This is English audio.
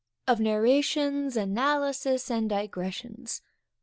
_Of Narrations, Analysis, and Digressions.